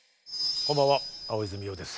こんばんは大泉洋です。